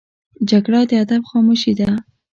جګړه د ادب خاموشي ده